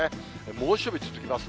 猛暑日続きます。